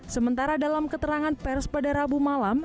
sementara dalam keterangan pers pada rabu malam